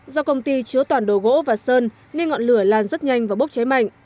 do công ty chứa toàn đồ gỗ và sơn nên ngọn lửa lan rất nhanh và bốc cháy mạnh